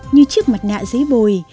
như chiếc mặt nạ giấy bồi